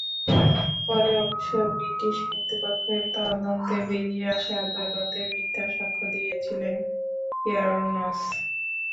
পরে অবশ্য ব্রিটিশ কর্তৃপক্ষের তদন্তে বেরিয়ে আসে আদালতে মিথ্যা সাক্ষ্য দিয়েছিলেন কেয়ার্নস।